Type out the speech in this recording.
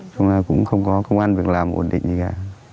chúng ta cũng không có công an việc làm ổn định gì cả